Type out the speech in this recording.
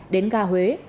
đến ga huế